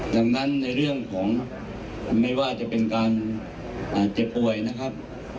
ดังนั้นในเรื่องของไม่ว่าจะเป็นการเจ็บป่วยนะครับ